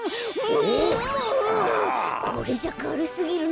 これじゃあかるすぎるな。